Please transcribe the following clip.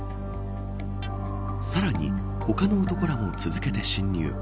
さらに、他の男らも続けて侵入。